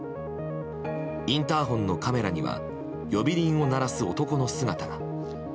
インターホンのカメラには呼び鈴を鳴らす男の姿が。